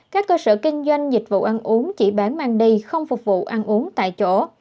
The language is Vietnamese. các cơ sở kinh doanh dịch vụ ăn uống chỉ bán mang đi không phục vụ ăn uống tại chỗ